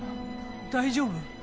大丈夫？